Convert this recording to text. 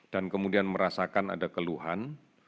dan kemudian merasakan ada keluhan